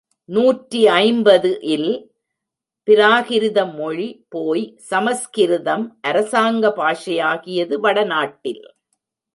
நூற்றி ஐம்பது இல் பிராகிருதமொழி போய், சமஸ்கிருதம் அரசாங்க பாஷையாகியது வடநாட்டில்.